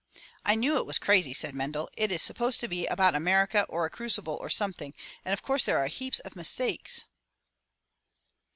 "I knew it was crazy," said Mendel. "It is supposed to be about America or a crucible or something. And of course there are heaps of mistakes."